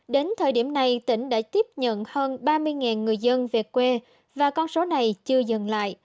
đến thời điểm này tỉnh đã tiếp nhận hơn ba mươi người dân về quê và con số này chưa dừng lại